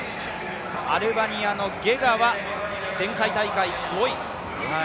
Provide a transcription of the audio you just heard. アルバニアのゲガは前回大会５位。